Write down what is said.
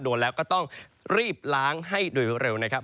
โดนแล้วก็ต้องรีบล้างให้โดยเร็วนะครับ